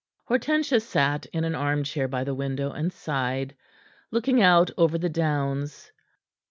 Hortensia sat in an arm chair by the window, and sighed, looking out over the downs.